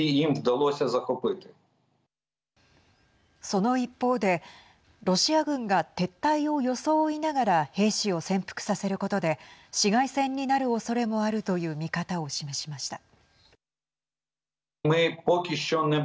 その一方でロシア軍が撤退を装いながら兵士を潜伏させることで市街戦になるおそれもあるという見方を示しました。